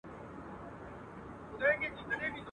له ستړیا له بېخوبیه لکه مړی.